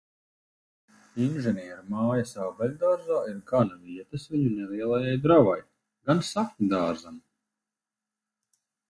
Inženieru mājas ābeļdārzā ir gana vietas viņu nelielajai dravai, gan sakņu dārzam.